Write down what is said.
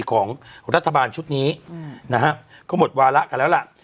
ของรัฐบาลชุดนี้นะฮะก็หมดวาระกันแล้วล่ะ